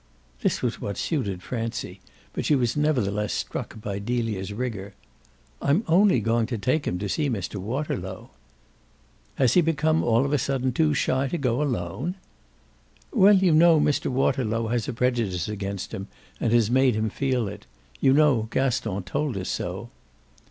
This was what suited Francie, but she was nevertheless struck by Delia's rigour. "I'm only going to take him to see Mr. Waterlow." "Has he become all of a sudden too shy to go alone?" "Well, you know Mr. Waterlow has a prejudice against him and has made him feel it. You know Gaston told us so."